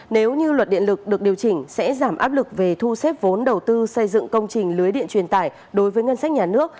nếu như luật điện lực được điều chỉnh sẽ giảm áp lực về thu xếp vốn đầu tư xây dựng công trình lưới điện truyền tải đối với ngân sách nhà nước